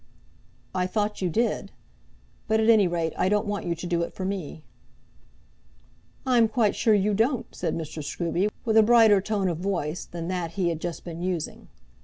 "I thought you did; but at any rate I don't want you to do it for me." "I'm quite sure you don't," said Mr. Scruby, with a brighter tone of voice than that he had just been using.